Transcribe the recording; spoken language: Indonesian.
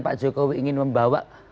pak jokowi ingin membawa